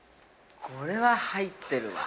◆これは入ってるわ。